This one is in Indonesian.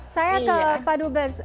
saya ke pak dubes